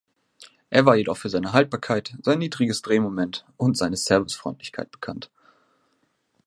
Er war jedoch für seine Haltbarkeit, sein niedriges Drehmoment und seine Servicefreundlichkeit bekannt.